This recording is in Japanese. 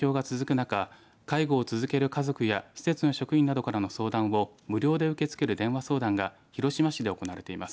中介護を続ける家族や施設の職員などからの相談を無料で受け付ける電話相談が広島市で行われています。